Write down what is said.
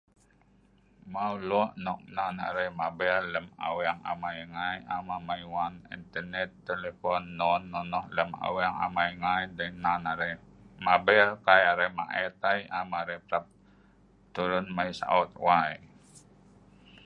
Mau lok nok nan arai mabel lem aweng amai ngai, am amai wan internet telepon non nonoh lem aweng amai ngai, dei nan arai mabel kai arai maet ai am arai parap turun mai saot wai.